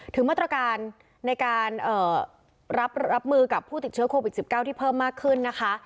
ถึงมาตรการในการรับมือกับผู้ติดเชื้อโควิด๑๙ที่เพิ่มมากขึ้นนะคะ